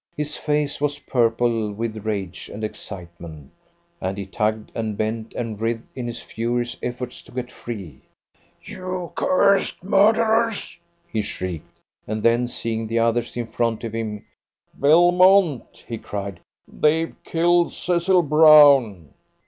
His face was purple with rage and excitement, and he tugged and bent and writhed in his furious efforts to get free. "You cursed murderers!" he shrieked, and then, seeing the others in front of him, "Belmont," he cried, "they've killed Cecil Brown."